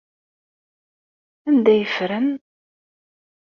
Anda ay ffren?